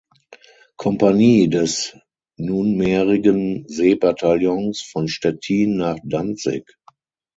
Kompanie des nunmehrigen Seebataillons von Stettin nach Danzig.